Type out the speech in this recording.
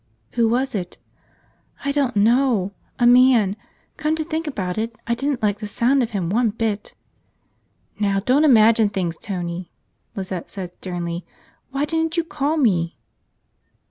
"Who was it?" "I don't know. A man. Come to think about it, I didn't like the sound of him one bit!" "Now don't imagine things, Tony," Lizette said sternly. "Why didn't you call me?"